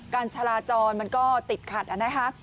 การชะลาจรมันก็ติดขัดอ่ะนะคะ